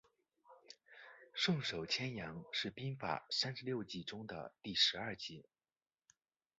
顺手牵羊是兵法三十六计的第十二计。